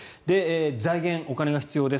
財源、お金が必要です。